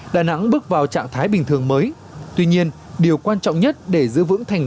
đà nẵng bước vào trạng thái bình thường mới tuy nhiên điều quan trọng nhất để giữ vững thành